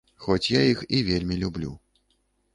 Хоць я іх і вельмі люблю.